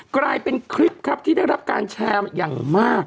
กลายเป็นคลิปครับที่ได้รับการแชร์อย่างมาก